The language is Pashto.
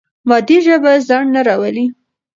مادي ژبه ځنډ نه راولي.